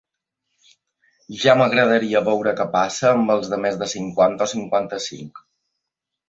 Ja m’agradaria veure què passa amb els de més de cinquanta o cinquanta-cinc.